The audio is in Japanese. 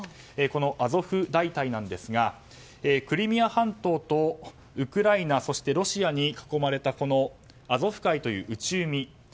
このアゾフ大隊なんですがクリミア半島とウクライナそしてロシアに囲まれたアゾフ海という内海。